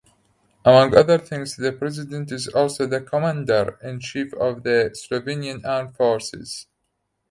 Among other things the President is also the Commander-in-Chief of the Slovenian Armed Forces.